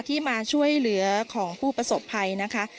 ที่มาช่วยเหลือของผู้ประสบภัยนะคะ